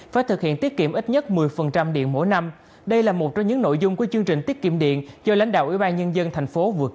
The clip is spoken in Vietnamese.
với khoảng hai mươi người trưởng thành